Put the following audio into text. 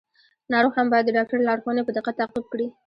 ناروغ هم باید د ډاکټر لارښوونې په دقت تعقیب کړي.